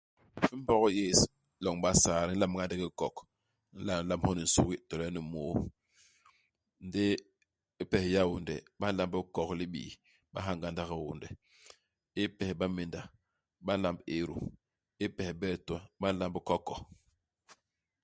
I Mbog yés i loñ i Basaa, di nlamb nga ndigi hikok, u nla lamb hyo ni nsugi, to le ni môô. Ndi i pes i Yaônde, ba nlamb hikok hi Libii, ba nha ngandak hiônde. I pes i Bamenda, ba nlamb Eru. I pes i Bertoua, ba nlamb Koko.